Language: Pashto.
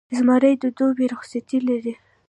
زمری د دوبي رخصتۍ لري.